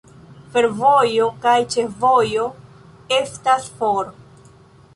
Fervojo kaj ĉefvojo estas for.